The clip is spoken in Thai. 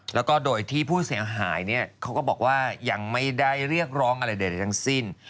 แล้วก็โดยที่ผู้เสียหายเนี่ยเขาก็บอกว่ายังไม่ได้เรียกร้องอะไรใดทั้งสิ้น